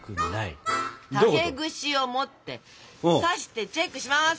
竹串を持って刺してチェックします。